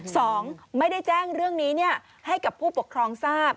สองไม่ได้แจ้งเรื่องนี้ให้กับผู้ปกครองทราบ